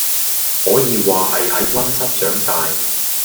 可以話係喺溫室長大⠀